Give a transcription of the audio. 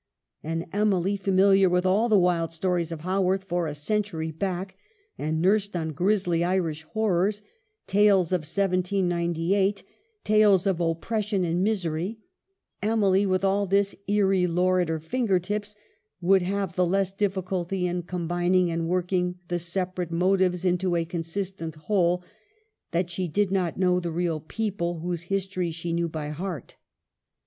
And Emily, familiar with all the wild stories of Haworth for a century back, and nursed on grisly Irish horrors, tales of 1798, tales of op pression and misery, Emily, with all this eerie lore at her finger ends, would have the less diffi culty in combining and working the separate motives into a consistent whole, that she did not know the real people whose histories she knew by heart.